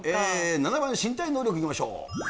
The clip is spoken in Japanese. ７番、身体能力いきましょう。